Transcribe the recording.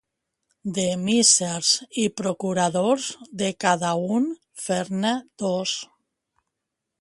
De missers i procuradors, de cada un fer-ne dos.